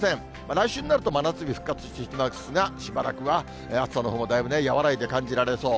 来週になると、真夏日復活しますが、しばらくは暑さのほうもだいぶね、和らいで感じられそう。